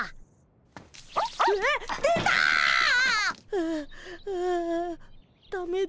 はあはあだめだ。